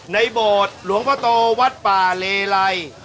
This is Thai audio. โบสถ์หลวงพ่อโตวัดป่าเลไล